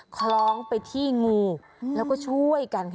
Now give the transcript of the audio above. คล้องไปที่งูแล้วก็ช่วยกันค่ะ